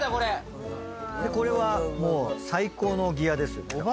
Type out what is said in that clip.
これはもう最高のギアですよね。